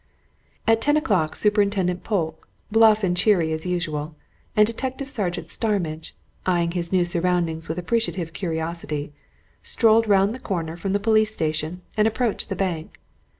At ten o'clock Superintendent Polke, bluff and cheery as usual, and Detective Sergeant Starmidge, eyeing his new surroundings with appreciative curiosity, strolled round the corner from the police station and approached the bank.